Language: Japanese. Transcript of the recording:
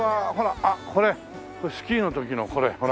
あっこれスキーの時のこれほら。